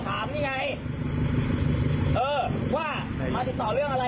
เข้าแล้วเราจะคุ้มกันว่ามาติดต่อเรื่องอะไรครับ